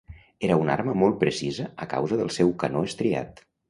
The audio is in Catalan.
Era una arma molt precisa a causa del seu canó estriat.